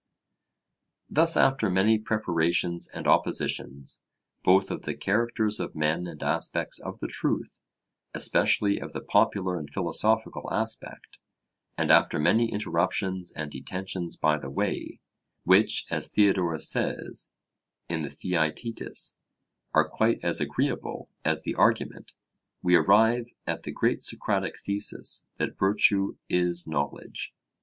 Thus after many preparations and oppositions, both of the characters of men and aspects of the truth, especially of the popular and philosophical aspect; and after many interruptions and detentions by the way, which, as Theodorus says in the Theaetetus, are quite as agreeable as the argument, we arrive at the great Socratic thesis that virtue is knowledge.